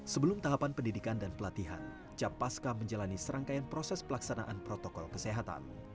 sebelum tahapan pendidikan dan pelatihan capaska menjalani serangkaian proses pelaksanaan protokol kesehatan